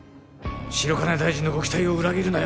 白金大臣のご期待を裏切るなよ